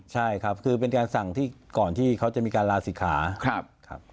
ใช่ครับคือเป็นการสั่งก่อนที่เค้าจะมีการลาศิษย์ขา